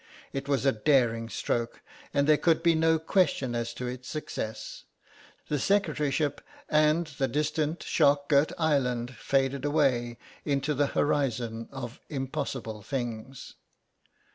It was a daring stroke, and there could be no question as to its success; the secretaryship and the distant shark girt island faded away into the horizon of impossible things.